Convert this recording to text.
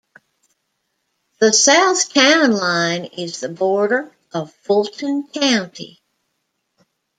The south town line is the border of Fulton County.